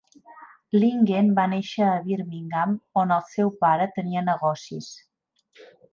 Lingen va néixer a Birmingham, on el seu pare tenia negocis.